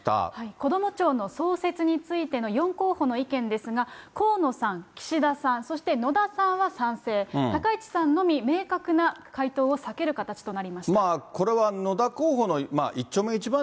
こども庁の創設についての４候補の意見ですが、河野さん、岸田さん、そして野田さんは賛成、高市さんのみ明確な回答を避ける形となりました。